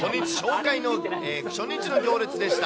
初日の行列でした。